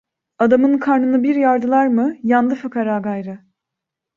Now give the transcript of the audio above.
Adamın karnını bir yardılar mı, yandı fıkara gayrı…